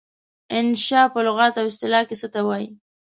انشأ په لغت او اصطلاح کې څه ته وايي؟